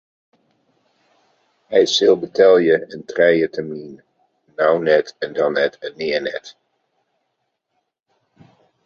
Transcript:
Hy sil betelje yn trije terminen: no net en dan net en nea net.